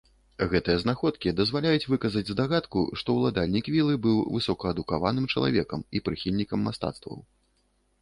Гэтыя знаходкі дазваляюць выказаць здагадку, што ўладальнік вілы быў высокаадукаваным чалавекам і прыхільнікам мастацтваў.